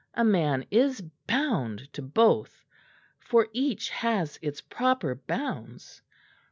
A man is bound to both; for each has its proper bounds.